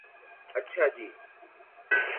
اچھا جی